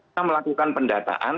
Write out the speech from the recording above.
kita melakukan pendataan